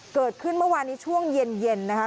เกิดขึ้นเมื่อวานนี้ช่วงเย็นนะคะ